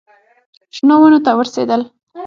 شنو ونو ته ورسېدل.